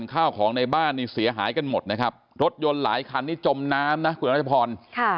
ข้าวของในบ้านนี่เสียหายกันหมดนะครับรถยนต์หลายคันนี้จมน้ำนะคุณรัชพร